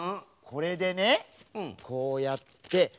これでねこうやってほら！